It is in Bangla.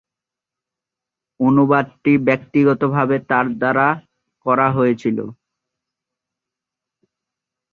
অনুবাদটি ব্যক্তিগতভাবে তার দ্বারা করা হয়েছিল।